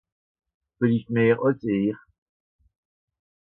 Villicht meh àls ìhr.